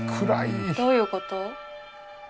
どういうこと？